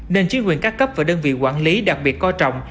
nên chính quyền các cấp và đơn vị quản lý đặc biệt coi trọng